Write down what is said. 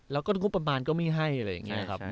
แล้วก็งบประมาณก็ไม่ให้อะไรอย่างนี้ครับ